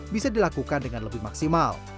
bisa dilakukan dengan lebih maksimal